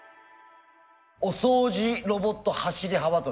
「お掃除ロボット走り幅跳び」